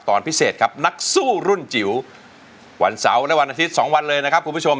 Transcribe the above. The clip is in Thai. พิเศษครับนักสู้รุ่นจิ๋ววันเสาร์และวันอาทิตย์สองวันเลยนะครับคุณผู้ชม